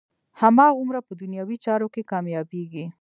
هماغومره په دنیوي چارو کې کامیابېږي.